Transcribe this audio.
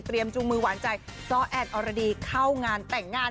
เตรียมจูงมือหวานใจซอแอดออร์เรดี้เข้างานแต่งงาน